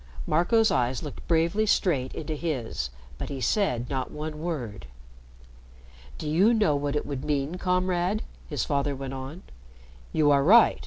Marco's eyes looked bravely straight into his, but he said not one word. "Do you know what it would mean, Comrade?" his father went on. "You are right.